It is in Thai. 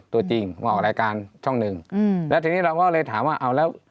ตัวจริงมาออกรายการช่องหนึ่งอืมแล้วทีนี้เราก็เลยถามว่าเอาแล้ว